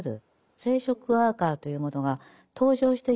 生殖ワーカーというものが登場してきてしまって。